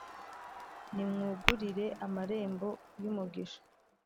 Nimwugurire amarembo yumugisha